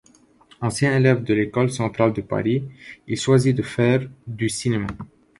Ancien élève de l'École centrale de Paris, il choisit de faire du cinéma.